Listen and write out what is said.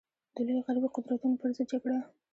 د لویو غربي قدرتونو پر ضد جګړه.